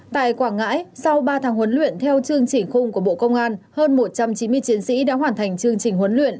tại quảng ngãi sau ba tháng huấn luyện theo chương trình khung của bộ công an hơn một trăm chín mươi chiến sĩ đã hoàn thành chương trình huấn luyện